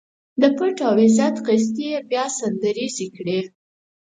د پت او عزت قصيدې يې بيا سندريزې کړې.